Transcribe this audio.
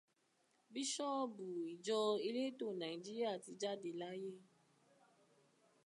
Bíṣọ́bù Ìjọ Elétò Nàíjíríà ti jáde láyé.